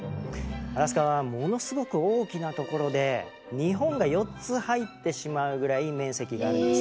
アラスカはものすごく大きな所で日本が４つ入ってしまうぐらい面積があるんです。